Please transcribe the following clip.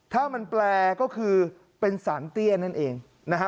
ถ้ามันแปลก็คือเป็นสารเตี้ยนั่นเองนะฮะ